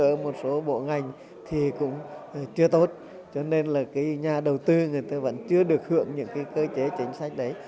ở một số bộ ngành thì cũng chưa tốt cho nên là cái nhà đầu tư người ta vẫn chưa được hưởng những cái cơ chế chính sách đấy